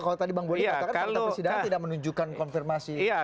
kalau tadi bang woyi katakan fakta persidangan tidak menunjukkan konfirmasi kecurangan itu